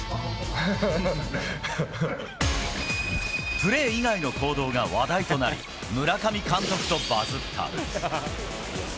プレー以外の行動が話題となり村上監督とバズった。